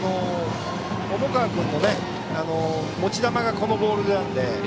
重川君の持ち球がこのボールなので。